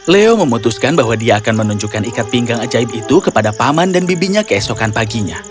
leo memutuskan bahwa dia akan menunjukkan ikat pinggang ajaib itu kepada paman dan bibinya keesokan paginya